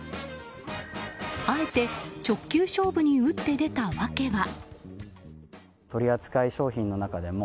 あえて直球勝負に打って出た訳は。